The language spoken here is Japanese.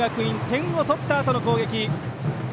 点を取ったあとの攻撃。